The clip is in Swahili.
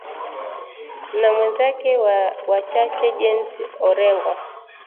na mwenzake wa wachache James Orengo